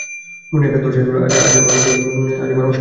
মনে একান্ত আশা ছিল, আজ আর মাস্টার আসিবে না।